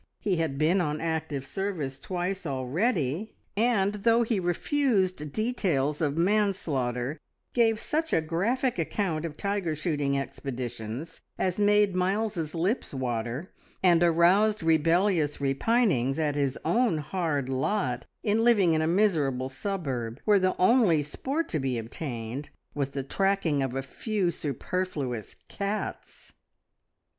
He had been on active service twice already, and though he refused details of manslaughter, gave such a graphic account of tiger shooting expeditions as made Miles's lips water, and aroused rebellious repinings at his own hard lot in living in a miserable suburb where the only sport to be obtained was the tracking of a few superfluous cats!